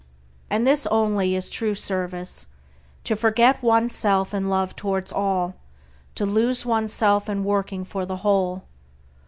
And this only is true service to forget oneself in love towards all, to lose oneself in working for the whole.